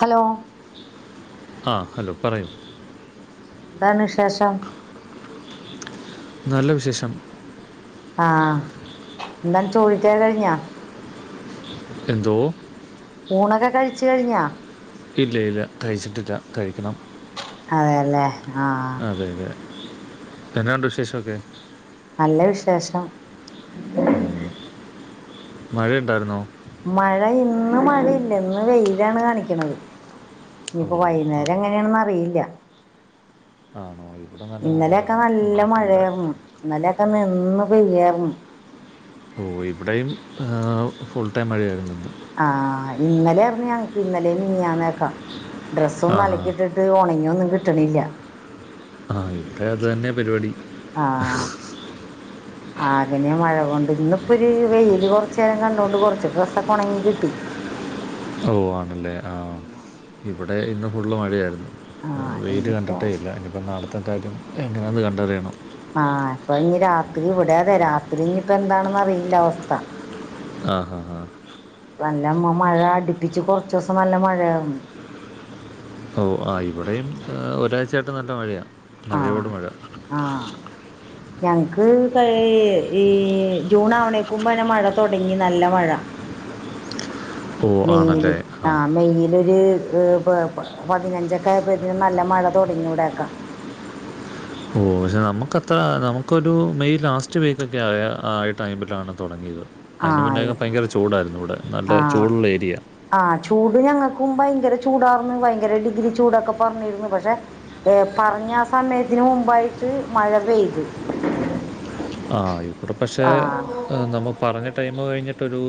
Hello ആഹ് hello പറയൂ എന്താണ് വിശേഷം നല്ല വിശേഷം ആഹ് എന്താണ് ചോറ് റ്റ കഴിഞ്ഞാ എന്തോ ഊണൊക്കെ കഴിച്ചു കഴിഞ്ഞാ ഇല്ലയില്ല കഴിച്ചിട്ടില്ല കഴിക്കണം അതെല്ലേ ആഹാ അതെ അതെ എന്നായുണ്ട് വി ശേഷയൊക്കെ നല്ല വിശേഷം ഓ മഴ ഉണ്ടായിരുന്നോ മഴ ഇന്ന് മഴയില്ല ഇന്ന് വെയിലാണ് കാണിക്കണത് ഓ ഇനിയിപ്പോ ആ വൈകുന്നേരം എങ്ങനെയാണെന്ന് അറിയില്ല ആണോ ഇവിടെ നല്ല മഴയായിരുന്നു ഇന്നലെ ഒക്കെ നിന്ന് പെയ്യുവാരുന്ന് ഓ ഇവിടെയും ഫുൾ ടൈം മഴ ആയിരുന്നുെ ആഹ് ഇന്നലെ ആയിരുന്നു ഞങ്ങങ്ക് ഇന്നലെയും മിനിഞ്ഞാന്നും ഓക്കെ ഡ്രസ്സ് ഒന്ന് ആഹാ അലക്കി-യിട്ടി ഇത് ഒണങ്ങി ഒന്നും കിട്ടണില്ല ആ ഇവിടെയും അത് തന്നെ പരിപാടി ആഹാ ആകെനാ മഴ കൊണ്ട് ഇന്നിപ്പോ ഒരു വെയില് കൊറച്ച് നേരം കണ്ടുകൊണ്ട് കൊറച്ച് ഡ്രസ്സൊക്ക ഒണങ്ങി കിട്ടി ഓ ആണല്ലേ ആ ഇവിടെ ഇന്ന് ഫുള്ള് മഴയായിരുന്നു. ആഹ് വെയില് ഇന്നിപ്പോ കണ്ടിട്ടേ ഇല്ല ഇനിപ്പോ നാളത്തെ കാര്യം എങ്ങനെയന്ന് കണ്ടറിയണം. ആഹ് ഇപ്പൊ ഇനി രാത്രി ഇവിടെ രാത്രി ഇനിയിപ്പോ എന്താണെന്ന് അറിയില്ല അവസ്ഥ. ആഹ് ആഹാ നല്ല [unintelligible] മ്മ മഴ അടിപ്പിച്ച് കൊറച്ച് ദിവസം നല്ല മഴയായി ഓ ആ ഇവിടെയും ഒരാഴ്ചയായിട്ട് നല്ല മഴയാ മഴയോട് ആഹ് മഴ. ആഹ് ഞങ്ങക്ക് ഏ ഈ ജൂൺ ആവണേക്കുമ്പോന്നെ മഴ തൊടങ്ങി നല്ല മഴ. ഓ മെയ്ല് ആണല്ലേ ആ ആഹ് മെയ്ലൊരു [unintelligible] പ് പ് പതിനഞ്ചൊക്കെ ആയപ്പോതിന് നല്ല മഴ തൊടങ്ങി ഇവിടൊയൊക്കാ ഓ പക്ഷേ നമുക്കത്ര നമുക്കൊരു മെയ് ലാസ്റ്റ് വീക്കൊക്കെ ആയ ആ ടൈമിലാണ് തൊടങ്ങിയത്. അതിന് മുന്നേക്കെ ആഹ് ഭയങ്കര ചൂടായിരുന്നു ഇവിടെ നല്ല ആഹ് ചൂടുള്ള ഏരിയാ ആഹ് ചൂട് ഞങ്ങൾക്കും ഭയങ്കര ചൂടാർന്ന് ഭയങ്കര ഡിഗ്രി ചൂടൊക്കെ പറഞ്ഞിരുന്നു പക്ഷെ- ഏ പറഞ്ഞ ആ സമയത്തിന് മുമ്പായിട്ട് മഴ പെയ്ത്. ആഹ് ഇവിടെ പക്ഷെ- ആഹ് നമ്മൾ പറഞ്ഞ ടൈം കഴിഞ്ഞിട്ടൊരു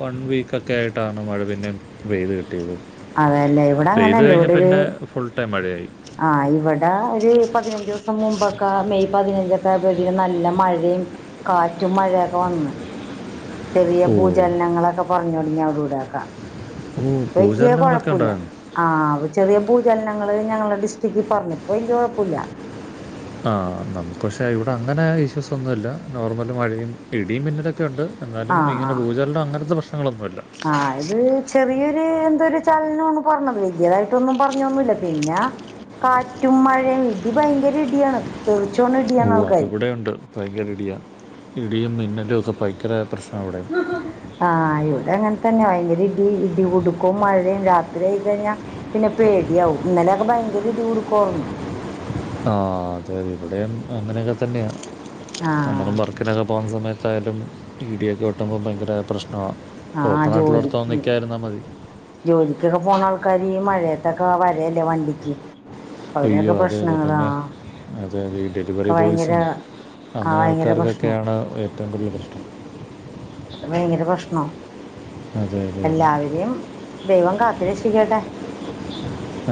വൺ വീക്കൊക്കെ ആയിട്ടാണ് മഴ പിന്നെ- പെയ്ത് കിട്ടിയത് അതെല്ലേ ഇവിടെ പെയ്ത് കഴിഞ്ഞപ്പ പിന്നെ ഫുൾ ടൈം മഴയായി. ആഹ ഇവിടെ ഒരു പതിനഞ്ച് ദിവസം മുമ്പൊക്കെ മെയ് പതിനഞ്ചൊക്കായപ്പോത്തിന് നല്ല മഴയും- കാറ്റും മഴയൊക്കെ വന്ന് ചെറിയ ഓ ഭൂചലനങ്ങളൊക്കെ പറഞ്ഞു തൊടങ്ങി അവിടെ ഇവിടൊക്കെ ഓ വല്ല്യ ഭൂചലനങ്ങളൊക്കെ കൊഴപ്പല്ല. ഉണ്ടായിരുന്നു ആഹ് അ ചെറിയ ഭൂചലനങ്ങള് ഞങ്ങളുടെ ഡിസ്ട്രിക്കിൽ പറഞ്ഞു ഇപ്പൊ വല്ല്യ കൊഴപ്പമില്ല. ആ നമുക്ക് പക്ഷേ ഇവിടെ അങ്ങനെ ഇഷ്യൂസ് ഒന്നുല്ല നോർമൽ മഴയും ഇടിയും മിന്നല ഒക്കെ ഒണ്ട് എന്നാലും ആഹ് ഇങ്ങനെ ഭൂചലനം അങ്ങനത്തെ പ്രശ്നങ്ങളൊന്നുല്ല. അത് ചെറിയൊരു എന്തൊരു ചലനം എന്നാ പറഞ്ഞത് വല്ല്യതായിട്ടൊന്നും പറഞ്ഞോന്നുല്ല പിന്നെ, കാറ്റും മഴയും ഇടി ഭയങ്കര ഇടിയാണ് തെറിച്ചോണ ഓ ഇടിയാണ് ആൾക്കാര് അതിവിടെ ഉണ്ട് ഭയങ്കര ഇടിയാ ഇടിയും മിന്നലൊക്കെ ഭയങ്കര പ്രശ്നവാ ഇവിടെ ആഹ് ഇവിടെ അങ്ങനെ തന്നെ ഭയങ്കര ഇടി ഇടി കുടുക്കും മഴയും രാത്രി ആയി കഴിഞ്ഞാ പിന്നെ പേടിയാവും ഇന്നലെയൊക്കെ ഭയങ്കര ഇടി കൊടുക്കവാർന്നു. ആഹ് അതെ അതെ ഇവിടെയും അങ്ങനെയൊക്കെ തന്നെയാ ആഹ് [unintelligible] ളും വർക്കിനൊക്കെ പോകുന്ന സമയത്തായാലും ട്ടി ട്യൊക്കെ വെട്ടുമ്പോ ഭയങ്കര പ്രശ്നമാ. ആഹ് ഓപ്പണായിട്ട്ള്ളെട്ത്തൊന്നും ജോലിക്ക് നിക്കായിര്ന്നാ മതി ജോലിക്കൊക്കെ പോണാൾക്കാര് ഈ മഴയത്തൊക്കെ വരല്ലേ വണ്ടിക്ക്. ഒയ്യോ അവരൊക്കെ അതെ യതെ പ്രശ്നങ്ങളാ തന്നെ അതെ യതെ ഈ ഒക്കെ ഡെലിവറി ഭയങ്കര ബോയ്സും ആഹ് അങ്ങനെ ഭയങ്കര പ്രശ്നാ ആൾക്കാർക്കൊക്കെണ് ഏറ്റവും കൂടുതൽ പ്രശ്നം അത് ഭയങ്കര പ്രശ്നാ അതെ അതെ അതെ എല്ലാവരേം ദൈവം കാത്ത് രക്ഷിക്കട്ടെ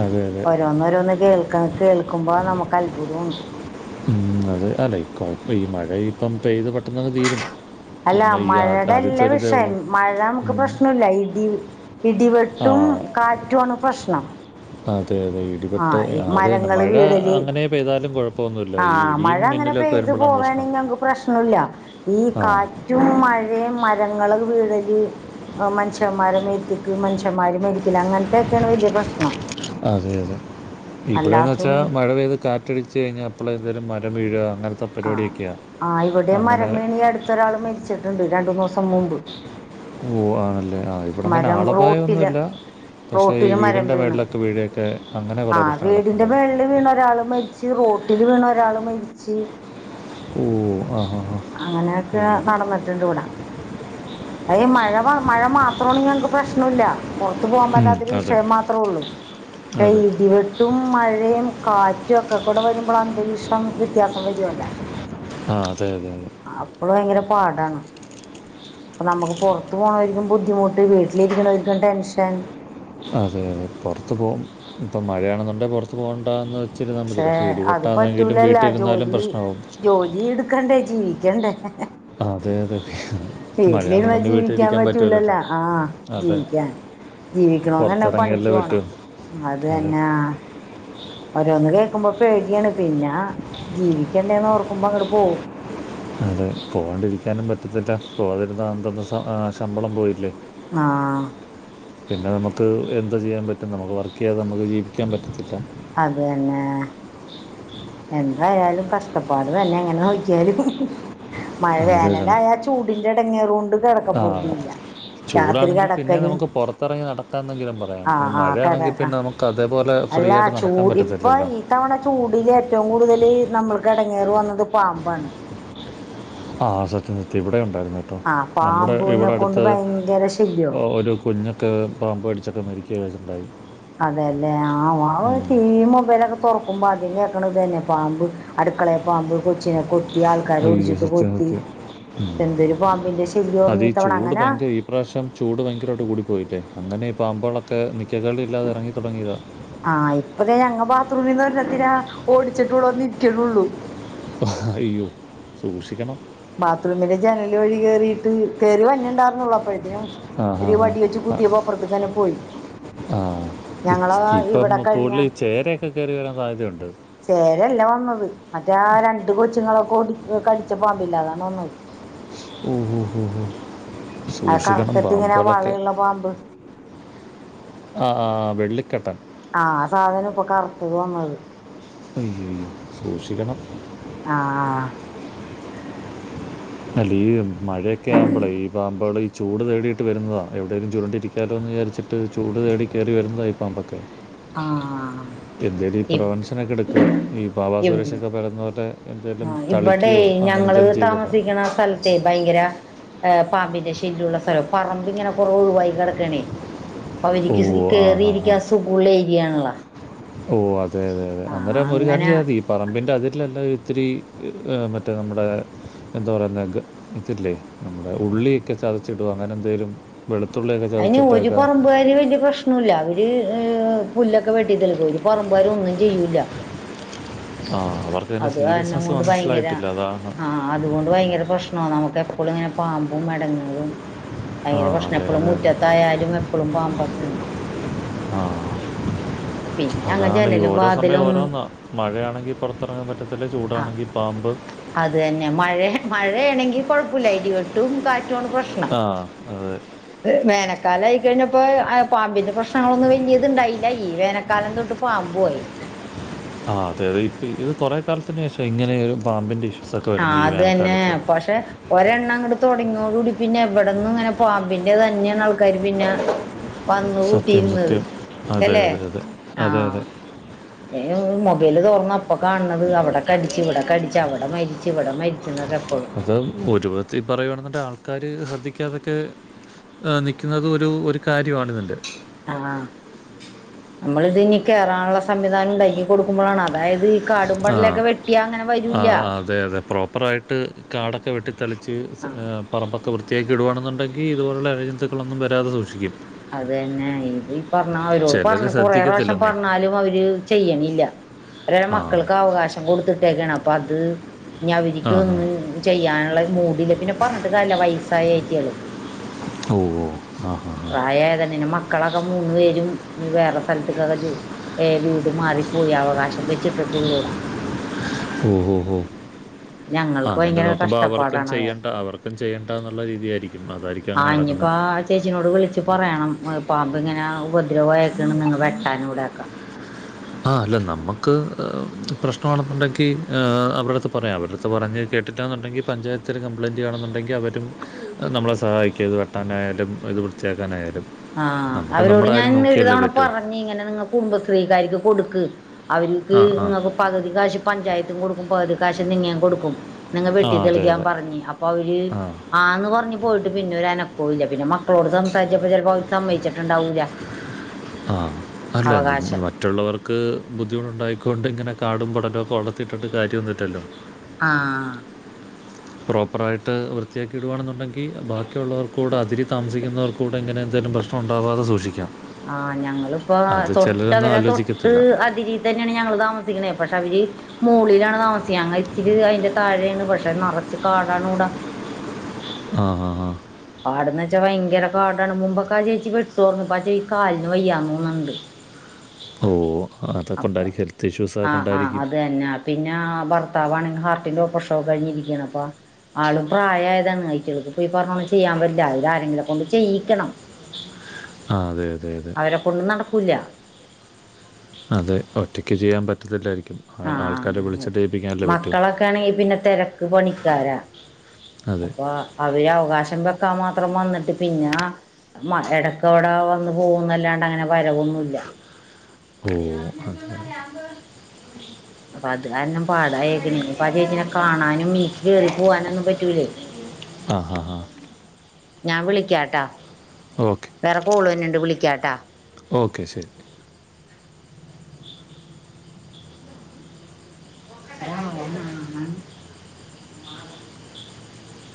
അതെ അതെ ഓരോന്നോരോന്ന് കേൾ ക്കാ കേൾക്കുമ്പോ നമക്കത്ഭുതോണ്. ഉം അതെ അല്ലെ കൊഴപ്പീ മഴ ഇപ്പം പെയ്ത് പെട്ടെന്നങ്ങ് തീരും. അല്ല പിന്നെ ഈ ആ- ആദ്യത്തെ മഴെടല്ലാ ഒരു ഇതേ വിഷയം ഉള്ളൂ മഴ അമക്ക് ഉം. പ്രശ്നല്ല ഇടി ഇടിവെ ആ ട്ടും കാറ്റ്വാണ് പ്രശ്നം. അതെ യതെ ഇ ആ ടിവെട്ട് ആഹ് തെന്നെ മരങ്ങള് മഴ വീഴല് അങ്ങനെ പെയ്താലും കൊഴപ്പൊന്നുല്ല ആ ഈ ഇടിയും മിന്നലൊക്കെ വെരുമ്പളാണ് പ്രശ്നം. പ്രശ്നൂല്ല ഈ ആ കാറ്റും മഴേം മരങ്ങളൊക്കെ വീഴല് ആഹ് മൻഷ്യന്മാരെ മേത്ത്ക്ക് മൻഷന്മാര് മരിക്കല് അങ്ങൻത്തെക്കെണ് വെല്ല്യ പ്രശ്നം. അതെ യതെ ഇവടെന്നെച്ചാ അല്ലാത്തും മഴ പെയ്ത് കാ റ്റടിച്ച് കഴിഞ്ഞാ എപ്പളും എതേരും മരം വീഴ അങ്ങൻ ആഹ് ആഹ് ഇവടെം മരം വീണ് ഈ അട്ത്തൊരാൾ മരിച്ചിട്ട്ണ്ട് രണ്ടൂന്നോസം മുമ്പ്. ഓഹ് ആണല്ലേ ആഹ് ഇവടങ്ങനെ മരം ആള് റോട്ടില് ഭയൊന്നുല്ല. പക്ഷേ ഈ റോട്ടില് മരം വീടിന്റെ വീണ് മേളിലെക്കെ വീഴെക്കെ അങ്ങനെ കൊറേ പ്രശ്നങ്ങളൊക്കെണ്ടായി. ഈ റോട്ടിൽ വീണ് ഒരാള് മരിച്ച്. ഓഹ് ആഹ് ഹാ ഹാ അങ്ങനെക്കെ അയ്യോ നടന്ന്ട്ട്ണ്ട് വട അയ് മഴ വാ മഴ മാത്രോണെങ്കി ഞങ്ങക്ക് പ്രശ്നൂല്ല. പൊറത്തു പോവാം ഉം, പറ്റാത്തൊരു അതെ വിഷയം മാത്രോള്ളൂ പക്ഷേ അതെ ഇടി വെ ട്ടും മഴയും കാറ്റു ഒക്ക കൂടെ വെരുമ്പളാന്തരീക്ഷം വ്യത്യാസം വേരോല്ല. ആഹ് അതെ യതെ യതെ അപ്പം ഭയങ്കര പാടാണ്. അപ്പ നമക്ക് പോർത്ത് പോണോര്ക്കും ബുദ്ധിമുട്ട് വീട്ടിലിരിക്കണോര്ക്കും ടെൻഷൻ അതെ യതെ പോർത്ത് പോ ഇപ്പം മഴയാണെന്നുണ്ടേ പൊർത്ത് പോണ്ടാന്ന് വെ ച്ചിരിന്നാ പക്ഷെ മതിയല്ലേ പ്പൊ ഇടി അത് വെട്ടാന്നെങ്കിലും വീട്ടിര്ന്നാലും പ്രശ്നാവും. ജീട്ക്കണ്ടേ ജീവിക്കണ്ടേ അതെ അതെ വീട്ടില് മഴയാണെന്ന് ര്ന്നാ പറഞ്ഞ് ജീവിക്കാൻ വീട്ടിലിരിക്കാൻ പറ്റുമല്ലോ പറ്റൂലല്ലോ ആഹ് അതെ ജീവിക്കാൻ ജീവിക്കണൊന്ന്ണ്ടെ പണിക്ക് പുറത്തിറങ്ങിയല്ലേ പോണം പറ്റൂ അതെ അതെന്നെ ആഹ് ഓരോന്ന് കേക്കുമ്പോ പേട്യാണ് പിന്ന ജീവിക്കണ്ടേന്നോർക്കുമ്പോ ങ്ങട്ട് പോവും. അതെ പോവണ്ടിരിക്കാനും പറ്റത്തില്ല പോകതിര്ന്ന അന്നത്തെ സ ആഹ് ശമ്പളം പോയില്ലേ ആഹ് പിന്നെ നമക്ക് എന്താ ചെയ്യാൻ പറ്റ നമക്ക് വർക്കെയ്യാതെ അമക്ക് ജീവിക്കാൻ പറ്റത്തില്ല. അത് തെന്നെ എന്തായാലും കഷ്ടപ്പാട് തന്നെ ഇങ്ങനെ നോക്ക്യാല് മഴ അതെ രണ്ട് വേനലായാ ചൂ ചൂടിന്റെ എടങ്ങേറോണ്ട് കെടക്ക ആ പോറ്തിയില്ല. ചൂടാണെങ്കിൽ പിന്നെ നമക്ക് പൊറത്തെറങ്ങി നടക്കാന്നെങ്കിലും പറയാം ആഹ് ഇത് ആഹ് കട മഴയാണെങ്കി ആഹ് പിന്നെ നമ ക്കതേപോലെ ഫ്രീയായിട്ട് നടക്കാൻ പറ്റത്തില്ലല്ലോ ഇത്തവണ ചൂടില് ഏറ്റവും കൂടുതല് നമ്മൾക്കെടങ്ങേറ് വന്നത് പാമ്പാണ്. ആഹ് സത്യം സത്യം ഇവടെ ഉണ്ടായിരുന്നത്. ആഹ് നമ്മുടെ പാമ്പുവിനെ ഇവിടെ കൊണ്ട് അടുത്ത് ഭയങ്കര ശല്യോ ആ ഒരു കുഞ്ഞ് ഒക്കെ പാമ്പ് കടിച്ചൊക്കെ മരിക്കയൊക്കെ ഉണ്ടായി അതെയല്ലേ ആ ഞാൻ വിചാരിച്ചു ഉം. ടി വിയും മൊബൈലൊക്കെ തുറക്കുമ്പോ അദ്യം കേൾക്കണ തന്നെ പാമ്പ് അടുക്കളേൽ പാമ്പ് കൊച്ചിനെ കൊ ത്തി ആൾക്കാരെ അയ്യോ ഓടിച്ചിട്ട് സത്യം കൊത്തി സത്യം ഉം. പക്ഷെ എന്തൊരു പാമ്പിന്റെ ശല്യം ആരുന്ന് ഇത്തവണ അങ്ങനെ ഇപ്രാവശ്യം ചൂട് ഭയങ്കരമായിട്ട് കൂടിപ്പോയില്ലേ അങ്ങനെ ഈ പാമ്പുകളൊക്കെ നിക്കക്കള്ളി ഇല്ലാതെ ഇറങ്ങി തുടങ്ങിയതാ ആഹ് ഇപ്പതേ ഞങ്ങളെ ബാത്റൂമിൽ നിന്ന് ഒരെണ്ണത്തിനെ ഓടിച്ചിട്ട് ഇവിടെ വന്ന് ഇരിക്കണേയുള്ളൂ ആഹ് അയ്യോ സൂക്ഷിക്കണം ബാത്റൂമിലെ ജനല് വഴി കേറിയിട്ട് കേറി വരണേ ഉണ്ടായിർന്നൊള്ളൂ അപ്പഴെ ആ ഹാ ഒരു വടി വെച്ച് കുത്തിയപ്പോ അപ്പുറത്തേക്ക്‌ തന്നെ പോയി ആഹ് ഞങ്ങള് ഇപ്പം ഇവിടെ കഴിഞ്ഞ കൂടുതല് ചേരയൊക്കെ കയറി വരാൻ സാധ്യതയുണ്ട് ചേരയല്ല വന്നത് മറ്റേ ആ രണ്ട് കൊച്ചുങ്ങളൊക്കെ ഓടി കടിച്ച പാമ്പില്ലേ അതാണ് വന്നത് ഉം ഉം ഉം അത് സൂക്ഷിക്കണം കറുത്തിട്ട് ഇങ്ങനെ പാമ്പുകളൊക്കെ വളയുള്ള പാമ്പ് ആഹ് ആഹ് വെള്ളിക്കെട്ടൻ ആഹ് സാധനം ഇപ്പൊ കറുത്തത് വന്നത് ഉം സൂക്ഷിക്കണം ആഹ് അല്ലേ ഈ മഴയൊക്കെ ആവുമ്പളേ ഈ പാമ്പുകള് ഈ ചൂട് തേടിയിട്ട് വരുന്നതാ എവിടെങ്കിലും ചുരുണ്ടിരിക്കാലോന്ന് വിചാരിച്ചിട്ട് ചൂട് തേടി കയറി വരുന്നതാ ഈ പാമ്പൊക്കെ ആഹ് എന്തേലും ഈ പ്രൊവൻഷനൊക്കെ എടുക്ക് ഈ ബാബാ സുരേഷൊക്കെ പറയുന്നത് പോലെ എന്തേലും ആഹ് ഇവിടെയേ തളിക്കുകയോ അങ്ങനെ ഞങ്ങളീ എന്തേലും ചെയ്തിട്ടാ താമസിക്കുന്ന സ്ഥലത്തേ ഭയങ്കര പാമ്പിന്റെ ശല്ല്യമുള്ള സ്ഥലം പറമ്പിങ്ങനെ കുറെ ഒഴിവായി കിടക്കാണേ അപ്പ ഓ അവരുക്ക് ആ ഹാ ഹാ കേറിയിരിക്കാൻ സുഖമുള്ള ഏരിയാണല്ലോ ഓ അതെ അതെ അതെ ആ അന്നേരം അങ്ങ് ഒരു കാര്യം അങ്ങനെ ചെയ്താൽ മതി പറമ്പിന്റെ അതിരിലെല്ലാം ഇത്തിരി ഏ മറ്റേ നമ്മടെ എന്താ പറയുന്നെ ഗ ഇതില്ലേ നമ്മുടെ ഉള്ളിയൊക്കെ ചതച്ചിടുവോ അങ്ങനെ എന്തേലും വെളുത്തുള്ളിയൊക്കെ അതിന് ഒരു ചതച്ചിട്ടേക്ക പറമ്പുകാര് വലിയ പ്ര [unintelligible] അവര് പുല്ലൊക്കെ വെട്ടി തെളിക്കും ഒരു പറമ്പ്കാര് ഒന്നും ചെയ്യൂല്ല ആഹ് അവർക്ക് അതിന്റെ അത് കാരണം സീരിയസനസ്സ് കൊണ്ട് ഭയങ്കര മനസ്സിലായിട്ടില്ല അതാണ് ആ അതുകൊണ്ട് ഭയങ്കര പ്രശ്നമാണ് നമുക്ക് എപ്പളും ഇങ്ങനെ പാമ്പും എടങ്ങേറും ആ ഭയങ്കര പ്രശനവാ അതെ എപ്പളും അതെ അതെ മുറ്റത്തായാലും എപ്പളും പാമ്പൊക്കെ ആണ് ആഹ് പിന്നെ ഞങ്ങ അതാണ് ഈ ജനലും ഓരോ സമയം വാതിലൊന്നും ഓരോന്നാ മഴയാണെങ്കിൽ പുറത്തിറങ്ങാൻ പറ്റത്തില്ല ആ ചൂടാണെങ്കിൽ പാമ്പ് അത് തന്നെ മഴ മഴ ആണെങ്കിൽ കുഴപ്പമില്ല ഇടി വെട്ടും കാറ്റുമാണ് പ്രശ്നം ആഹ് അതെ വേനക്കാലം ആയി കഴിഞ്ഞപ്പോ ആ പാമ്പിന്റെ പ്രശ്നങ്ങളൊന്നും വലിയത് ഉണ്ടായില്ല ഈ വേനക്കാലം തൊട്ട് പാമ്പുവായി ആഹ് അതെ അതെ ഇപ്പ ഇത് കുറേ കാലത്തിന് ശേഷവാ ഇങ്ങനെ ഒരു പാമ്പിൻ്റെ ഇഷൂ അഹ് അത് തന്നെ പക്ഷെ ഒരെണ്ണം അങ്ങട് തുടങ്ങിയോട് കൂടി പിന്നെ എവിടന്നും ഇങ്ങനെ പാമ്പിന്റെ തന്നെയാണ് ആൾക്കാര് പിന്നെ വന്ന് സത്യം കൂട്ടിയിരുന്നത് സത്യം അതെ അല്ലെ അതെ അതെ അതെ ആഹ് അതെ ഏ മൊബൈല് തൊറന്ന അപ്പൊ കാണുന്നത് അവിടെ കടിച്ചു ഇവിടെ കടിച്ചു അവിടെ മരിച്ചു ഇവിടെ മരിച്ചു എന്നൊക്കെ എപ്പഴും അത് ഒരുവിധത്തിൽ പറയുവാണെന്നുണ്ടെങ്കിൽ ആൾക്കാര് ശ്രദ്ധിക്കാതൊക്കെ ആ നിക്കുന്നുന്നത് ഒരു ഒരു കാര്യമാണ് ഇതിന്റെ ആഹ് നമ്മളിത് ഇനി കയറാനുള്ള സംവിധാനം ഉണ്ടാക്കി കൊടുക്കുമ്പോഴാണ് അതായത് കാടും അഹ് ആഹ് പടലൊക്കെ വെട്ടിയാ അങ്ങനെ വരൂല്ല ആ അതെ അതെ പ്രോപ്പറായിട്ട് കാടൊക്കെ വെട്ടി തെളിച്ച് ആഹ് പറമ്പെക്കെ വൃത്തിയാക്കി ഇടുവായാണെന്നുണ്ടെങ്കിൽ ഇതുപോലുള്ള ഇഴജെന്തുക്കളൊന്നും വരാതെ സൂക്ഷിക്കും അത് തന്നെ ഇത് ഈ പറഞ്ഞ അവരോട് ചിലർ പറഞ്ഞ കൊറേ പ്രവിശ്യം ശ്രദ്ധിക്കത്തില്ലെന്നേ പറഞ്ഞാലും അവര് ചെയ്യണില്ല ഓര് ആ മക്കൾക്ക് അവകാശം കൊടുത്തിട്ടേക്കാണ് അപ്പൊ അത് ഇനി അവർക്ക് ആ ഹാ ഒന്നും ചെയ്യാനുള്ള മൂടില്ല പിന്നെ പറഞ്ഞിട്ട് കാര്യല്ല്യ വയസ്സായ ആയിറ്റള് ഓ ഓ അഹ് അഹ് പ്രായമായത് തന്നെ മക്കളൊക്കെ മൂന്ന് പേരും വേറെ സ്ഥലത്തക്കൊക്കെ ജോലി ഏയ് വീട് മാറി പോയി അവകാശം വെച്ചിട്ടിട്ടള്ളൂടാ ഉം ഉം ഞങ്ങൾക്ക് അങ്ങനെ ഭയങ്കര നോക്കുമ്പോ അവർക്കും കഷ്ടപ്പാടാണ് അത് ചെയ്യണ്ട അവർക്ക് ഇപ്പം ചെയ്യണ്ട എന്നുള്ള രീതിയായിരിക്കും അതായിരിക്കും അങ്ങനെ അഹ് ഇഞ്ഞിപ്പ കിടക്കുന്നത് അട ചേച്ചിനോട് വിളിച്ച് പറയണം പാമ്പ് ഇങ്ങനെ ഉപദ്രവമായിക്കണ് നിങ്ങൾ വെട്ടാൻ ഇവിടെയൊക്കെ അഹ് അല്ല നമുക്ക് പ്രശ്നമാണെന്നുണ്ടെങ്കിൽ അവരുടെ അടുത്ത് പറയാം അവരുടുത്ത് പറഞ്ഞ് കേട്ടിട്ടാന്നുണ്ടെങ്കിൽ പഞ്ചായത്തില് കംപ്ലയിന്റ് ചെയ്യുവാന്നുണ്ടെങ്കി അവര് മറ്റും നമ്മളെ സഹായിക്കും ഇത് വെട്ടാനായാലും ഇത് വൃത്തിയാക്കാനായാലും ആഹ് നമുക്ക് അവരോട് നമ്മുടെ ഞാൻ കാര്യം ഒരു നോക്കിയല്ലേ തവണ പറ്റൂ പറഞ്ഞ് ഇങ്ങനെ നിങ്ങ കുടുംബശ്രീക്കാരിക്ക് കൊടുക്ക് അവർക്ക് ആ ആ ഇങ്ങക്ക് പകുതി കാശ് പഞ്ചായത്തും കൊടുക്കും പകുതി കാശ് നിങ്ങയും കൊടുക്കും നിങ്ങ ആ വെട്ടി അതെ തെളിക്കാൻ അതെ പറഞ്ഞ് അപ്പൊ അവര് ആ ആന്ന് പറഞ്ഞ് പോയിട്ട് പിന്നെ ഒരനക്കവും ഇല്ല പിന്നെ മക്കളോട് സംസാരിച്ചപ്പോ ചിലപ്പോ അവര് സമ്മയിച്ചട്ട് ണ്ടാവൂല്ല ആ അല്ല ഇത് അവകാശം മറ്റുള്ളവർക്ക് ബുദ്ധിമുട്ടുണ്ടായിക്കൊണ്ട് ഇങ്ങനെ കാടും പടലൊക്കെ വളർത്തിട്ടിട്ട് കാര്യമൊന്നുല്ലല്ലോ ആഹ് പ്രോപ്പറായിട്ട് വൃത്തിയാക്കി ഇടുവാണെന്നുണ്ടെങ്കിൽ ബാക്കിയുള്ളവർക്കൂടെ അതിരിൽ താമസിക്കുന്നവർക്ക കൂടെങ്ങനെ എന്തെലും പ്രശ്നം ഉണ്ടാവാതെ സൂക്ഷിക്കാം ആഹ് ഞങ്ങളിപ്പോ അത് ചിലരൊന്നും തൊട്ടവര് തൊട്ട് ആലോചിക്കത്തില്ല അതിര് ഇതന്നെയാണ് ഞങ്ങൾ താമസിക്കണേ പക്ഷേ അവര് മോളിലാണ് താമസിക്കാ ഞങ്ങ ഇച്ചിരി അതിന്റെ താഴെയാണ് പക്ഷെ നിറച്ച് കാടാണ് ഇവിടെ ആഹ് ആഹ് ആഹ് കാടന്ന് വെച്ചാ ഭയങ്കര കാടാണ് മുമ്പൊക്കെ ആ ചേച്ചി വെട്ടോർന്നു ഇപ്പം ആ കാലിന് വയ്യാന്ന് തോന്നുണുണ്ട് ഓ അതൊക്ക അപ്പൊ കൊണ്ടായിരിക്കും ഹെൽത്ത് ഇഷ്യൂസൊക്കെ ആഹ് ആഹ് കൊണ്ടായിരിക്കും അത് തന്നെ പിന്നെ ഭർത്താവ് ആണെങ്കിൽ ഹാർട്ടിന്റെ ഓപ്പറേഷൻ കഴിഞ്ഞിരിക്കാണ് അപ്പൊ ആളും പ്രായമായതാണ് കയിട്ടൾക്ക് പോയി പറഞ്ഞോണം ചെയ്യാൻ പറ്റില്ല അവര് ആരെങ്കിലും കൊണ്ട് ചെയ്യിക്കണം ആ അതെ അതെ അതെ അവരെ കൊണ്ട് നടക്കൂല അതേ ഒറ്റക്ക് ചെയ്യാൻ പറ്റത്തില്ലായിരിക്കും ആൾ- ആൾക്കാരെ ആഹ് വിളിച്ചിട്ട് ചെയ്യിപ്പിക്കാനല്ലേ പറ്റൂ മക്കളൊക്കെ ആണെങ്കി പിന്നെ തിരക്ക് പണിക്കാരാ അതെ അപ്പൊ അവര് അവകാശം വെക്കാൻ മാത്രം വന്നിട്ട് പിന്നെ മ ഇടക്ക് അവിടെ വന്ന് പോകുന്നല്ലാണ്ട് അങ്ങനെ വരവൊന്നും ഇല്ല [inaudible] അപ്പൊ അത് കാരണം പാടായിക്കാണ് അപ്പ ചേച്ചിനെ കാണാനും എനിക്ക് കേറി പോവാനും ഒന്നും പറ്റൂലേ [inaudible] ആഹ് ആഹ് ആഹ് ഞാൻ വിളിക്കാട്ടാ വേറെ കോള് വരുന്നുണ്ട് വിളിക്കാട്ടാ ഓക്കെ ശരി [unintelligible]